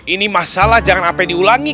ini masalah jangan sampai diulangi